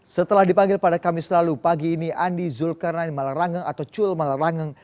setelah dipanggil pada kamis lalu pagi ini andi zulkarnain malarangeng atau cul malarangeng